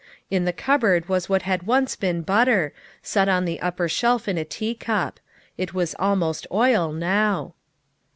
In the cupboard was what had once been butter, set on the upper shelf in a teacup. It was almost oil, now.